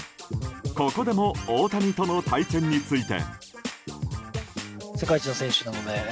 ここでも大谷との対戦について。